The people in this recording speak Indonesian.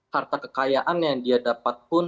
harta kekayaan yang dia dapat pun